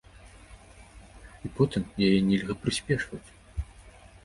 І потым, яе нельга прыспешваць.